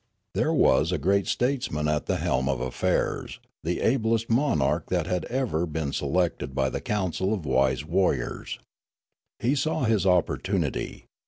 There was a great statesman at the helm of affairs, the ablest monarch that had ever been selected by the council of wase warriors. He saw his opportunity.